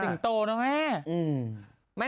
สิงโตนะแม่